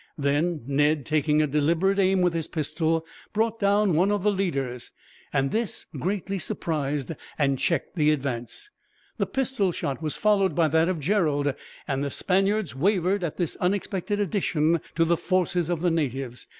Then Ned, taking a deliberate aim with his pistol, brought down one of the leaders; and this greatly surprised and checked the advance. The pistol shot was followed by that of Gerald, and the Spaniards wavered at this unexpected addition to the forces of the natives.